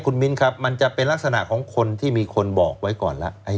คุณมิ้นครับมันจะเป็นลักษณะของคนที่มีคนบอกไว้ก่อนแล้ว